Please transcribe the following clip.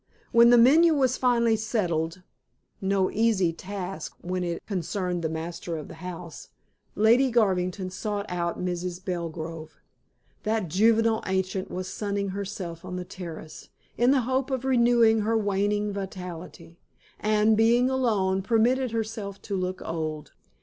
When the menu was finally settled no easy task when it concerned the master of the house Lady Garvington sought out Mrs. Belgrove. That juvenile ancient was sunning herself on the terrace, in the hope of renewing her waning vitality, and, being alone, permitted herself to look old.